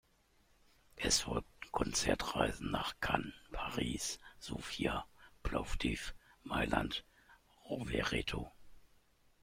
Es folgten Konzertreisen nach Cannes, Paris, Sofia, Plovdiv, Mailand, Rovereto.